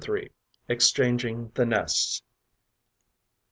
EXCHANGING THE NESTS.